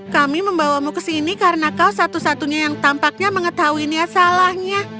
kami membawamu ke sini karena kau satu satunya yang tampaknya mengetahui niat salahnya